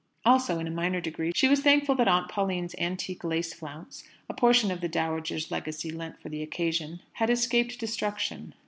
Also, in a minor degree, she was thankful that Aunt Pauline's antique lace flounce a portion of the dowager's legacy lent for the occasion had escaped destruction.